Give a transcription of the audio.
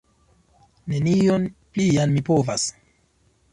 Nenion plian mi povas!